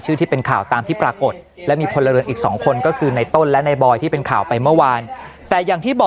ก่อนที่ไปตรวจคนบ้านของในเป้วันที่๒๓พฤษภาคมช่วงบ่ายนะครับ